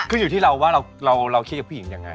คืออยู่ที่เราว่าเราคิดกับผู้หญิงยังไง